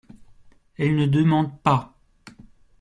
Elle ne demande pas.